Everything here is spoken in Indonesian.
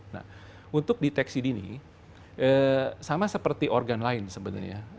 nah untuk deteksi dini sama seperti organ lain sebenarnya